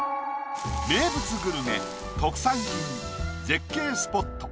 名物グルメ特産品絶景スポット。